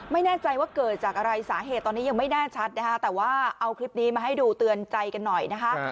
ไม่แน่ใจว่าเกิดจากอะไรสาเหตุตอนนี้ยังไม่แน่ชัดนะคะแต่ว่าเอาคลิปนี้มาให้ดูเตือนใจกันหน่อยนะคะ